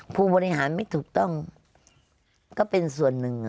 ผู้บริหารไม่ถูกต้องก็เป็นส่วนหนึ่ง